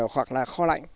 hoặc là kho lạnh